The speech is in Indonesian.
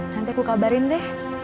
nanti aku kabarin deh